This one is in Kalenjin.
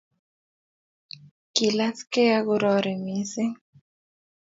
kilaskei akorari missing